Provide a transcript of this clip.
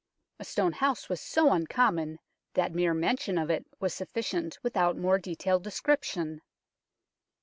A stone house was so uncommon that mere mention of it was sufficient without more detailed description.